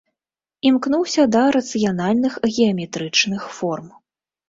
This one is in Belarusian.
Імкнуўся да рацыянальных, геаметрычных форм.